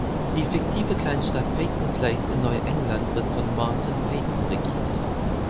Die fiktive Kleinstadt Peyton Place in Neuengland wird von Martin Peyton regiert.